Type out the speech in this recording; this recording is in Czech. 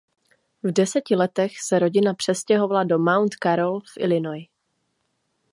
V deseti letech se rodina přestěhovala do Mount Carroll v Illinois.